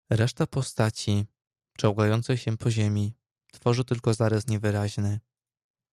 "Reszta postaci, czołgającej się po ziemi, tworzy tylko zarys niewyraźny."